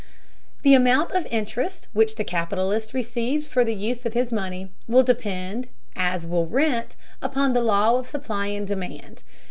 The amount of interest which the capitalist receives for the use of his money will depend, as will rent, upon the law of supply and demand.